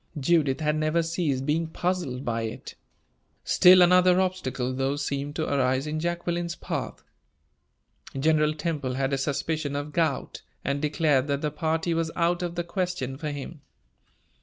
Judith had never ceased being puzzled by it. Still another obstacle, though, seemed to arise in Jacqueline's path. General Temple had a suspicion of gout, and declared that the party was out of the question for him.